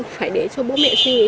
phải để cho bố mẹ suy nghĩ